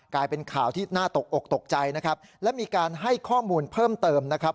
กลายเป็นข่าวที่น่าตกอกตกใจนะครับและมีการให้ข้อมูลเพิ่มเติมนะครับ